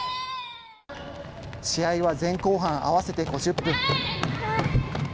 試合は前後半合わせて５０分。